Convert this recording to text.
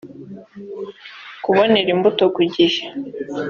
kubonera imbuto ku gihe